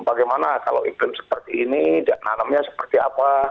bagaimana kalau iklim seperti ini nanamnya seperti apa